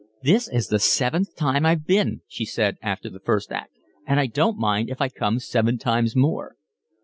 "This is the seventh time I've been," she said, after the first act, "and I don't mind if I come seven times more."